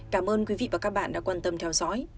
cảm ơn quý vị và các bạn đã quan tâm theo dõi